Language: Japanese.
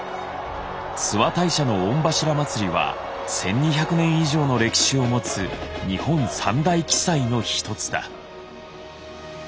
諏訪大社の御柱祭は１，２００年以上の歴史を持つ日本三大奇祭の一つだ。